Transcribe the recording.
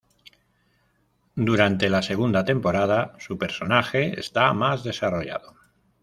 Durante la segunda temporada, su personaje está más desarrollado.